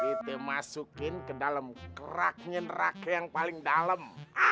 kita masukin ke dalam kerak nyenrake yang paling dalam